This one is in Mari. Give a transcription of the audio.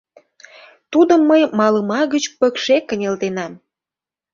Тудым мый малыма гыч пыкше кынелтенам.